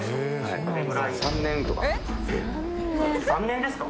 ３年ですか？